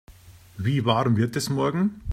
Wie warm wird es morgen?